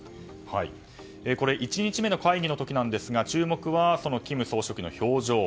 １日目の会議の時なんですが注目は金総書記の表情。